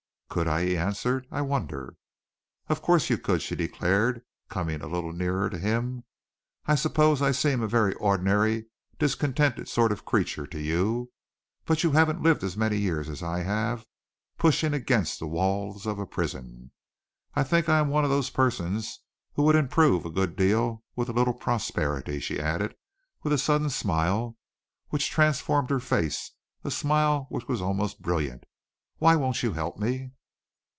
"Could I?" he answered. "I wonder." "Of course you could," she declared, coming a little nearer to him. "I suppose I seem a very ordinary discontented sort of creature to you, but you haven't lived as many years as I have pushing against the walls of a prison. I think I am one of those persons who would improve a good deal with a little prosperity," she added, with a sudden smile which transformed her face, a smile which was almost brilliant. "Why won't you help me?"